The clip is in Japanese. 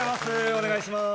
お願いします。